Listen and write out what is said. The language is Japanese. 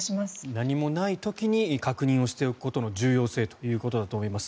何もない時に確認をしておくことの重要性ということだと思います。